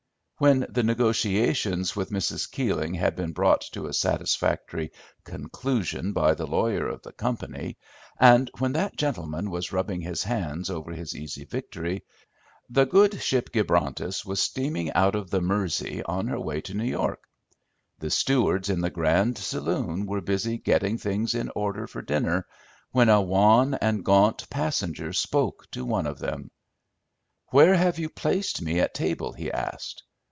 When the negotiations with Mrs. Keeling had been brought to a satisfactory conclusion by the lawyer of the company, and when that gentleman was rubbing his hands over his easy victory, the good ship Gibrontus was steaming out of the Mersey on her way to New York. The stewards in the grand saloon were busy getting things in order for dinner, when a wan and gaunt passenger spoke to one of them. "Where have you placed me at table?" he asked.